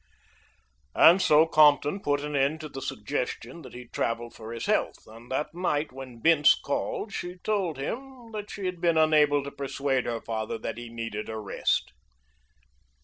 And so Compton put an end to the suggestion that he travel for his health, and that night when Bince called she told him that she had been unable to persuade her father that he needed a rest.